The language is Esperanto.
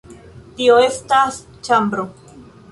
Tio estas ĉambro.